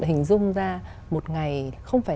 hình dung ra một ngày không phải